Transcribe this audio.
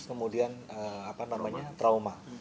kemudian apa namanya trauma